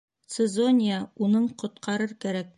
Цезония, уның ҡотҡарыр кәрәк.